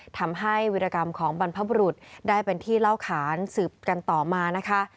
ทำให้วิรกรรมของบรรพบุรุษได้เป็นที่เล่าขานสืบกันต่อมานะคะ